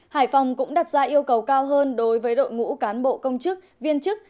hải phòng cũng đặt ra yêu cầu cao hơn đối với đội ngũ cán bộ công chức viên chức